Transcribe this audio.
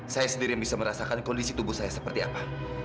saya sendiri yang bisa merasakan kondisi tubuh saya seperti apa